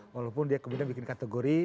walaupun dia kemudian bikin kategori